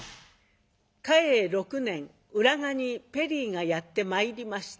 嘉永６年浦賀にペリーがやって参りました